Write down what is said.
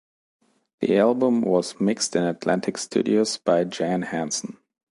The album was mixed in Atlantic Studios by Jan Hansson.